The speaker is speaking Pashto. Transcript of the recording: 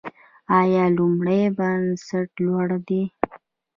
آیا لومړی بست لوړ دی؟